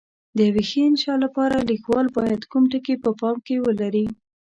د یوې ښې انشأ لپاره لیکوال باید کوم ټکي په پام کې ولري؟